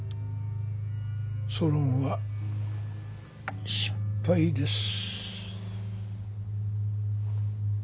ソロンは失敗です。